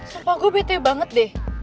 sumpah gue bete banget deh